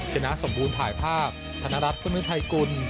ชนะสมบูรณ์ถ่ายภาพธนรัฐฟรุไทยกุล